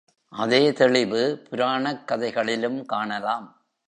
அதே தெளிவு புராணக் கதைகளிலும் காணலாம்.